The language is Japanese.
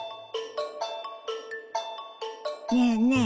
ねえねえ